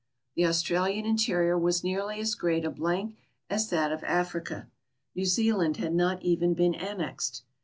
The Australian interior was nearly as great a blank as that of Africa ; New Zealand had not even been annexed.